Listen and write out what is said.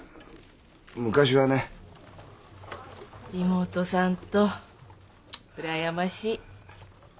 妹さんとうらやましい。